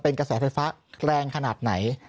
กระแสไฟฟ้าแรงขนาดไหน